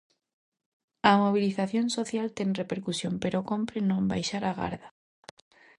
A mobilización social ten repercusión, pero cómpre non baixar a garda.